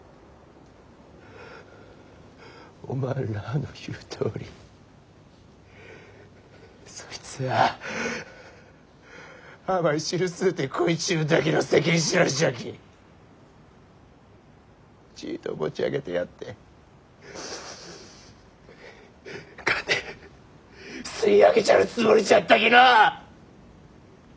おまんらあの言うとおりそいつは甘い汁吸うて肥えちゅうだけの世間知らずじゃきちいと持ち上げてやって金吸い上げちゃるつもりじゃったきのう！